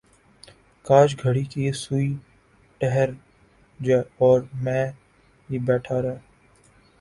کاش گھڑی کی سوئ ٹھہر ج اور میں ی بیٹھا ر